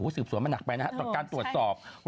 สืบสวนมันหนักไปนะฮะตอนการตรวจสอบใช่